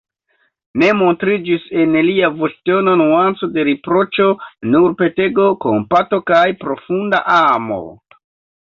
Ne montriĝis en lia voĉtono nuanco de riproĉo, nur petego, kompato kaj profunda amo.